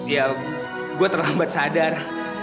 ya gue terlambat sadar